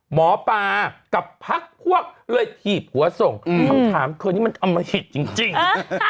หมอปากับพักพวกเลยหีบหัวส่งอืมทำถามคนนี้มันอำหิตจริงจริงนะฮะ